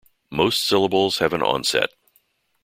Most syllables have an onset.